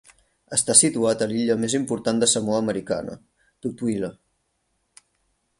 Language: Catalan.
Està situat a l"illa més important de Samoa Americana, Tutuila.